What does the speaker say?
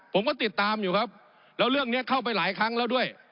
ผมก็ติดตามอยู่ครับแล้วเรื่องนี้เข้าไปหลายครั้งแล้วด้วย